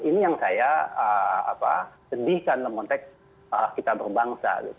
ini yang saya sedihkan mengontek kita berbangsa